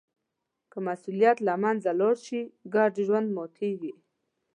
که مسوولیت له منځه لاړ شي، ګډ ژوند ماتېږي.